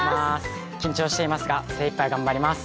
緊張していますが精いっぱい頑張ります。